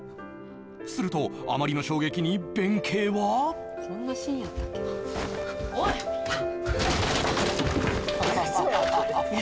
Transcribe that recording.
すると、あまりの衝撃に弁慶はおいっ！